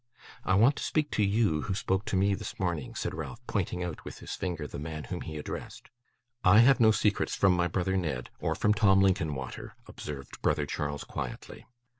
'I want to speak to you, who spoke to me this morning,' said Ralph, pointing out with his finger the man whom he addressed. 'I have no secrets from my brother Ned, or from Tim Linkinwater,' observed brother Charles quietly.